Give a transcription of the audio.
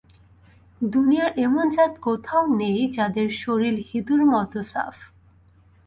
দুনিয়ার এমন জাত কোথাও নেই যাদের শরীর হিঁদুদের মত সাফ।